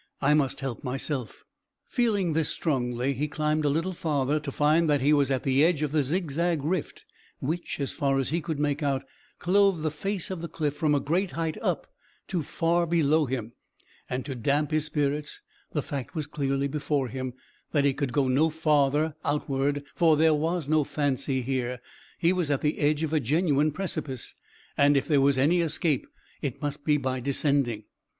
I must help myself." Feeling this strongly he climbed a little farther, to find that he was at the edge of the zigzag rift, which, as far as he could make out, clove the face of the cliff from a great height up to far below him; and to damp his spirits the fact was clearly before him that he could go no farther outward, for there was no fancy here he was at the edge of a genuine precipice, and if there was any escape it must be by descending.